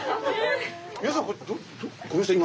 皆さんごめんなさい